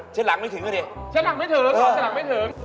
เช็ดหลังไม่ถึงก็ดีเช็ดหลังไม่ถึงหรือเปล่า